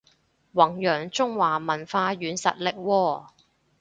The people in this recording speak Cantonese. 弘揚中華文化軟實力喎